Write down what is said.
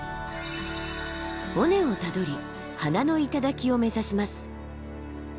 尾根をたどり花の頂を目指します。